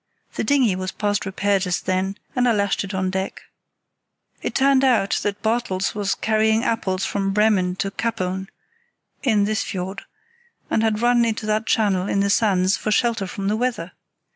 The dinghy was past repair just then, and I lashed it on deck. "It turned out that Bartels was carrying apples from Bremen to Kappeln (in this fiord), and had run into that channel in the sands for shelter from the weather.